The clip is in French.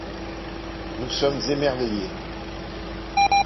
Nous sommes émerveillés.